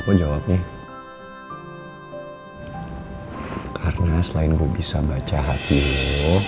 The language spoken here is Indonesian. gue pengen lo sembuh dulu